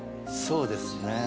そうですね。